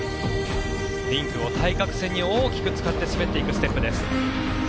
リンクを対角線に大きく使って滑っていくステップです。